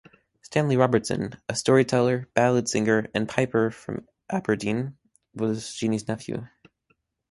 Stanley Robertson, a storyteller, ballad singer and piper from Aberdeen, was Jeannie's nephew.